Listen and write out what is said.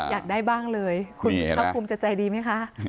อยากได้บ้างเลยคุณครับคุมจะใจดีมั้ยคะ